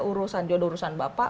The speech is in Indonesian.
urusan jodoh urusan bapak